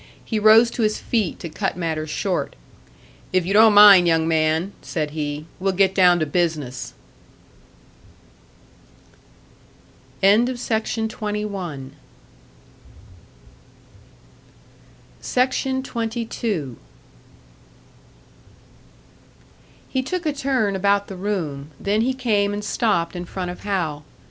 He rose to his feet to cut matters short. "If you don't mind, young man," said he, "we'll get down to business!" SECTION 22. He took a turn about the room, then he came and stopped in front of Hal.